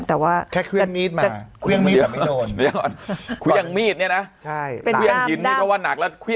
แต่ว่าแต่คุยั่งมีดมา